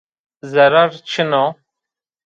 Zerar çin o